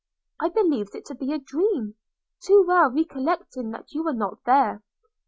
I believed it to be a dream, too well recollecting that you were not there.